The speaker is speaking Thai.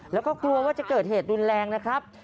แล้วก็กลัวว่าจะเกิดเหตุรุนแรงนะครับ